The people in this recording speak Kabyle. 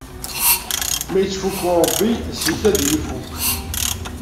Ma ittfukku Ṛebbi, seg-k ad yi-ifukk!